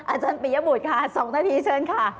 อาจารย์ปียบุตรค่ะ๒นาทีเชิญค่ะ